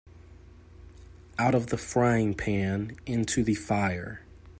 Out of the frying-pan into the fire.